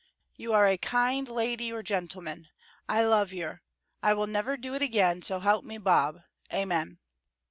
You are a kind laidy or gentleman. I love yer. I will never do it again, so help me bob. Amen."